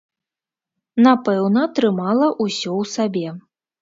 Напэўна, трымала ўсё ў сабе.